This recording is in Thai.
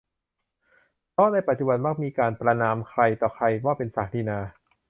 เพราะในปัจจุบันมักมีการประณามใครต่อใครว่าเป็นศักดินา